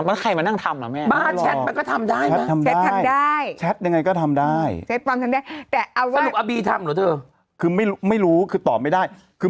ว่าใครมันนั่งทำเหรอแม่